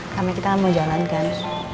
kamu kita mau jalan kan